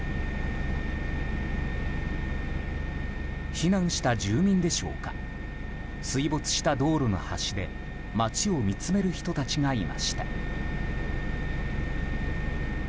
避難した住民でしょうか水没した道路の端で街を見つめる人たちがいました。